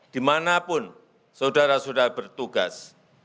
dimanapun saudara saudara bertugas